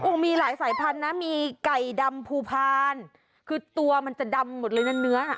มีหลายสายพันธุ์นะมีไก่ดำภูพานคือตัวมันจะดำหมดเลยนะเนื้อ